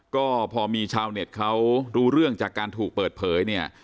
ก็พอมีชาวเน็ตเขารู้เรื่องจากการถูกเปิดเผยเนี่ย